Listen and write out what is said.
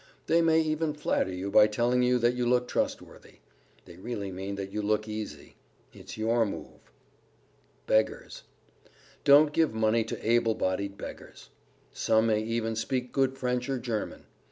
They may even flatter you by telling you that you look trustworthy. They really mean that you look easy. It's your move. [Sidenote: BEGGARS] Don't give money to able bodied beggars. Some may even speak good French or German.